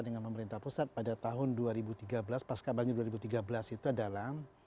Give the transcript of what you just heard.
dengan pemerintah pusat pada tahun dua ribu tiga belas pas kabarnya dua ribu tiga belas itu adalah